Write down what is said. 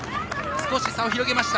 少し差を広げました。